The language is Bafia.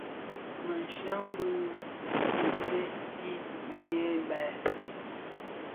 Më shyayaň bi tsèd kid hi bal.